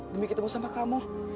demi ketemu sama kamu